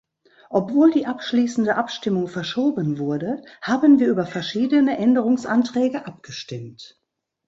Obwohl die abschließende Abstimmung verschoben wurde, haben wir über verschiedene Änderungsanträge abgestimmt.